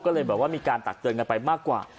ก็เลยแบบว่ามีการตักเตือนกันไปมากกว่า